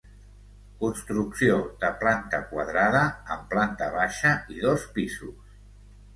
Construcció de planta quadrada, amb planta baixa i dos pisos.